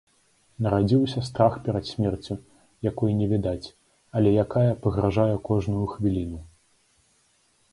Нарадзіўся страх перад смерцю, якой не відаць, але якая пагражае кожную хвіліну.